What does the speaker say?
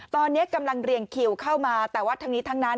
ตอนนี้กำลังเรียงคิวเข้ามาแต่ว่าทั้งนี้ทั้งนั้น